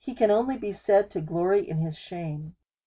i only be said to glory in his shame.